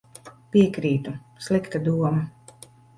Piekrītu. Slikta doma.